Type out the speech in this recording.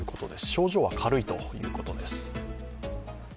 症状は軽いということです。